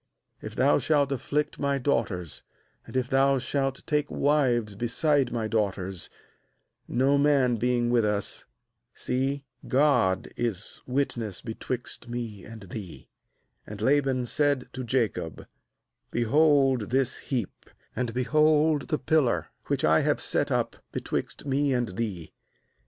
^If thou shalt afflict my daughters, and if thou shalt take wives beside my daughters, no man being with us; see, God is witness betwixt me and thee/ 51And Laban said to Jacob: * Behold this heap, and behold the pillar, which I have set up betwixt me and thee.